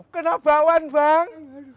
kena bakwan bang